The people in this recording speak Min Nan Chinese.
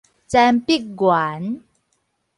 曾柏元